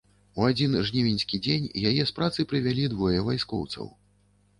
У адзін жнівеньскі дзень яе з працы прывялі двое вайскоўцаў.